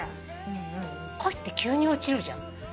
恋って急に落ちるじゃん。